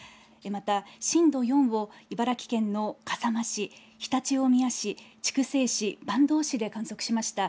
また、震度４を、茨城県の笠間市、常陸大宮市、筑西市、坂東市で観測しました。